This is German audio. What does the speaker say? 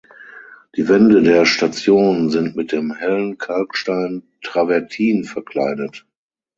Die Wände der Station sind mit dem hellen Kalkstein Travertin verkleidet.